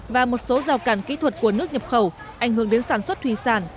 và một số rào cản kỹ thuật của nước nhập khẩu ảnh hưởng đến sản xuất thủy sản